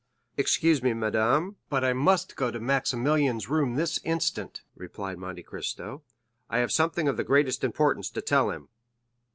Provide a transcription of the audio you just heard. "Excuse me, madame, but I must go up to Maximilian's room this instant," replied Monte Cristo, "I have something of the greatest importance to tell him."